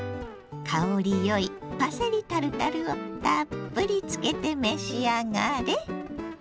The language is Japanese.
香りよいパセリタルタルをたっぷりつけて召し上がれ。